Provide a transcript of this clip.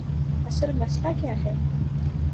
اصل مسئلہ کیا ہے؟